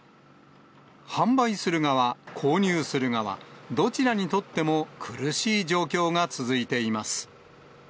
販売する側、購入する側、どちらにとっても苦しい状況が続いています。